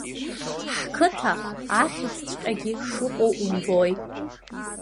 Ҳқыҭа ахьӡҵәҟьагьы шыҟоу умбои.